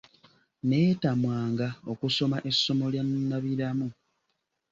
Neetamwanga okusoma essomo lya nnabiramu.